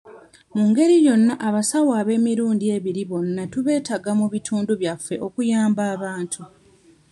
Mu ngeri yonna abasawo ab'emirundi ebiri bonna tubeetaaga mu bitundu byaffe okuyamba abantu.